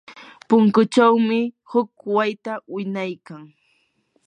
punkuchawmi huk wayta winaykan.